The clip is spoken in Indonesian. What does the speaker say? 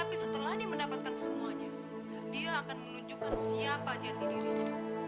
tapi setelah dia mendapatkan semuanya dia akan menunjukkan siapa jati dirinya